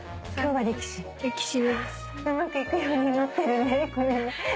うまくいくように祈ってるね。